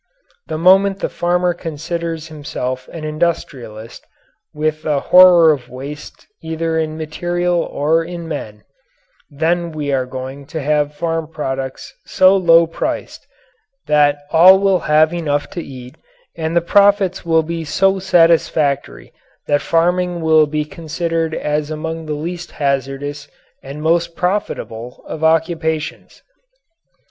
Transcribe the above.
The moment the farmer considers himself as an industrialist, with a horror of waste either in material or in men, then we are going to have farm products so low priced that all will have enough to eat, and the profits will be so satisfactory that farming will be considered as among the least hazardous and most profitable of occupations.